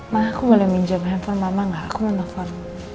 mah aku boleh minjem handphone mama gak aku mau nelfon